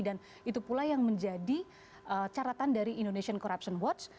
dan itu pula yang menjadi caratan dari indonesian corruption watch